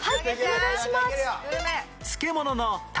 お願いします。